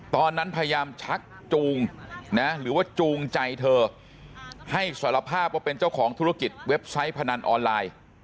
ตอนนั้นพยายามชักจูงนะหรือว่าจูงใจเธอให้สารภาพว่าเป็นเจ้าของธุรกิจเว็บไซต์พนันออนไลน์